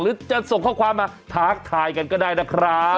หรือจะส่งข้อความมาท้าทายกันก็ได้นะครับ